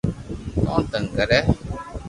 ڪون تنگ ڪري